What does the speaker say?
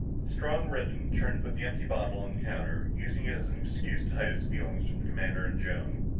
Strong reddened and turned to put the empty bottle on the counter, using it as an excuse to hide his feelings from the commander and Joan.